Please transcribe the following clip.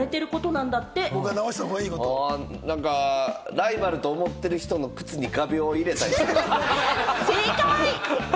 ライバルと思ってる人の靴に画鋲を入れる。